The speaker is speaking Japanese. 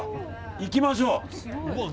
いきましょう！